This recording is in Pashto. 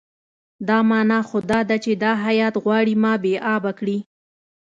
دا معنی خو دا ده چې دا هیات غواړي ما بې آبه کړي.